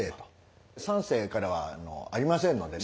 三世からはありませんのでね。